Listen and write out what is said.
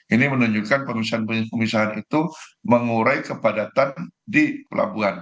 ini menunjukkan perusahaan perusahaan itu mengurai kepadatan di pelabuhan